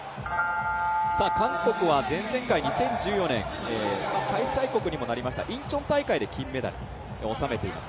韓国は前々回２０１４年、開催国にもなりましたインチョン大会で金メダルを収めています。